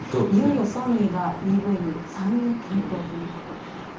いよいよソニーがＥＶに参入検討ということで。